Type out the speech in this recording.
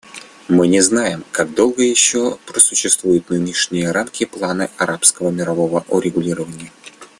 Мы не знаем, как долго еще просуществуют нынешние рамки плана арабского мирного урегулирования.